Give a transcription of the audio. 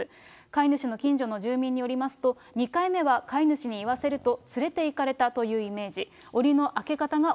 飼い主によりますと、２回目は飼い主に言わせると、連れていかれたというイメージ。